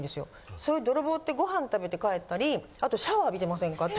そういう泥棒ってごはん食べて帰ったりあとシャワー浴びてませんかって。